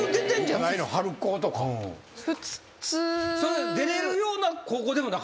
それ出れるような高校でもなかったってこと？